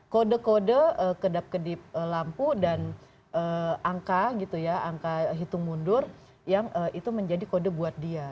kode kode kedap kedip lampu dan angka gitu ya angka hitung mundur yang itu menjadi kode buat dia